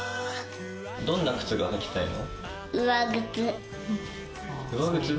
どんな靴が履きたいの？